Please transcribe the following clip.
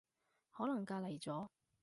可能隔離咗